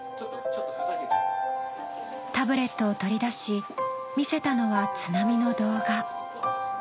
タブレットを取り出し見せたのは津波の動画。